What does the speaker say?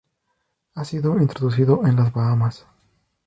Ha sido introducido en las Bahamas.